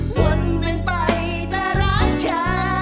คนเปลี่ยนไปแต่รักจะ